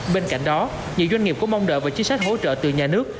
bên cạnh đó nhiều doanh nghiệp cũng mong đợi và chính sách hỗ trợ từ nhà nước